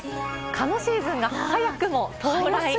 蚊のシーズンが早くも到来！